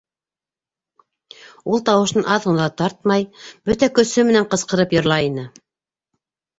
Ул тауышын аҙ ғына ла тартмай бөтә көсө менән ҡысҡырып йырлай ине: